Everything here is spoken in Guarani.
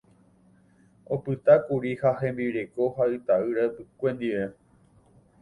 Opytákuri ha hembireko ha ita'ýra ypykue ndive.